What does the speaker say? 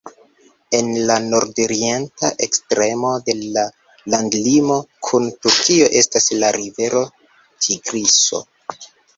En la nordorienta ekstremo de la landlimo kun Turkio estas la rivero Tigriso.